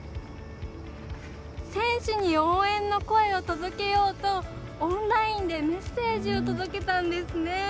選手に応援の声を届けようとオンラインでメッセージを届けたんですね。